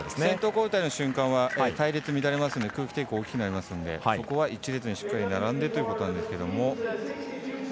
先頭交代の瞬間は隊列乱れますので空気抵抗大きくなりますのでそこは１列にしっかり並んでというところなんですけど。